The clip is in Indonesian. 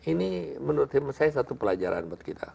ini menurut saya satu pelajaran buat kita